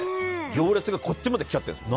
行列がこっちまで来ちゃってるって。